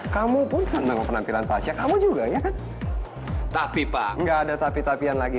kamu pun senang penampilan fasya kamu juga ya kan tapi pak enggak ada tapi tapian lagi